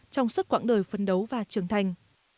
trong suốt quãng đời phấn đấu và trưởng thành